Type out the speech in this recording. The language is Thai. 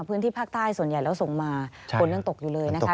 พื้นที่ภาคใต้ส่วนใหญ่แล้วส่งมาฝนยังตกอยู่เลยนะคะ